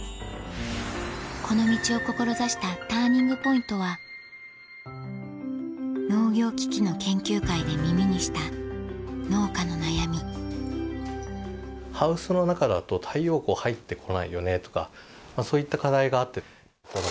この道を志したＴＵＲＮＩＮＧＰＯＩＮＴは農業機器の研究会で耳にした農家の悩みハウスの中だと太陽光入ってこないよねとかそういった課題があって。